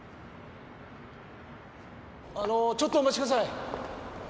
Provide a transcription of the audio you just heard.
あのちょっとお待ちください！